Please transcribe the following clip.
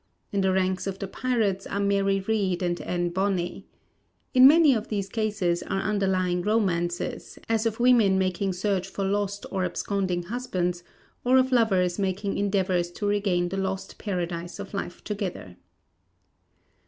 In the ranks of the pirates are Mary Reid and Ann Bonney. In many of these cases are underlying romances, as of women making search for lost or absconding husbands, or of lovers making endeavours to regain the lost paradise of life together.